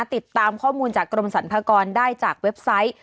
ติดตามข้อมูลจากกรมสรรพากรได้จากเว็บไซต์